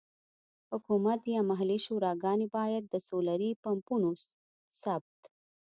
حکومت یا محلي شوراګانې باید د سولري پمپونو ثبت.